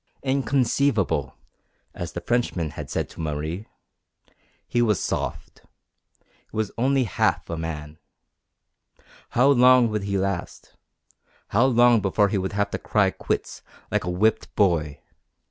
Inconceivable, as the Frenchman had said to Marie. He was soft. He was only half a man. How long would he last? How long before he would have to cry quits, like a whipped boy?